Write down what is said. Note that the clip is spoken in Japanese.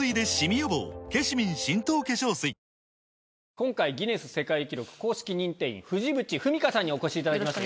今回ギネス世界記録公式認定員藤渕文香さんにお越しいただきました